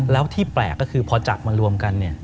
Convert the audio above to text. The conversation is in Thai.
แล้วที่แปลกก็คือพอจับมารวมกัน